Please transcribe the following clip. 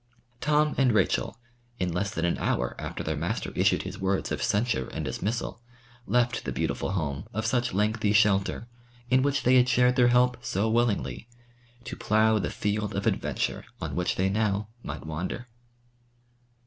Tom and Rachel, in less than an hour after their master issued his words of censure and dismissal, left the beautiful home, of such lengthy shelter, in which they had shared their help so willingly, to plough the field of adventure on which they now might wander.